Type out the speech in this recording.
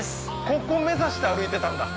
ここ目指して歩いてたんだ